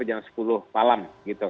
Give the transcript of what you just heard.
jam sepuluh malam